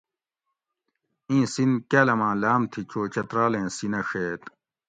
ایں سین کاۤلماں لاۤم تھی چو چترالیں سینہ ڛیت